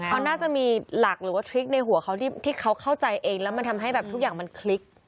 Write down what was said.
เขาน่าจะมีหลักหรือว่าทริคในหัวเขาที่เขาเข้าใจเองแล้วมันทำให้แบบทุกอย่างมันคลิก